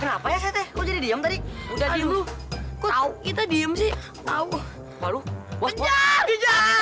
kenapa ya sete kau jadi diam tadi udah di lu kau tahu kita diem sih tahu kalau